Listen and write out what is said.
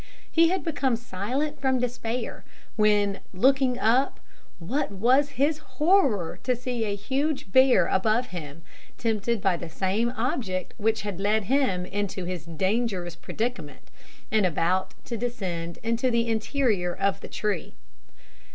He had become silent from despair, when, looking up, what was his horror to see a huge bear above him, tempted by the same object which had led him into his dangerous predicament, and about to descend into the interior of the tree!